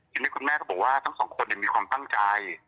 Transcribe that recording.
ทีนี้คุณแม่ก็บอกว่าทั้งสองคนมีความตั้งใจ